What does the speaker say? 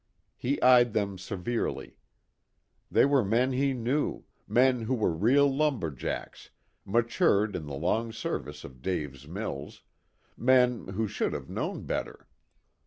He eyed them severely. They were men he knew, men who were real lumber jacks, matured in the long service of Dave's mills, men who should have known better.